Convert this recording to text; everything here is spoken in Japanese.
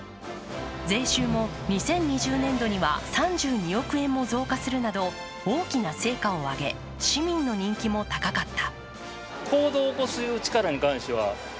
税収も２０２０年度には３２億円も増加するなど大きな成果を上げ、市民の人気も高かった。